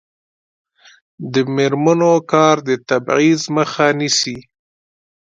د میرمنو کار د تبعیض مخه نیسي.